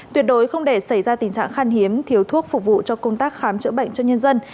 tuyệt đối không để xảy ra tình trạng khan hiếm thiếu thuốc phục vụ cho công tác khám chữa bệnh cho nhân dân